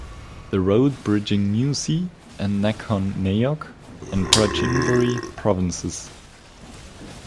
The road bridging Mu Si with Nakhon Nayok and Prachinburi Provinces.